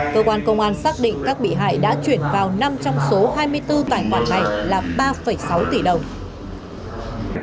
cơ quan công an xác định các bị hại đã chuyển vào năm trong số hai mươi bốn tài khoản này là ba sáu tỷ đồng